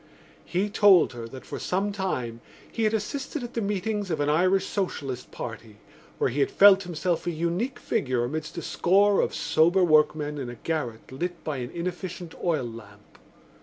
He told her that for some time he had assisted at the meetings of an Irish Socialist Party where he had felt himself a unique figure amidst a score of sober workmen in a garret lit by an inefficient oil lamp.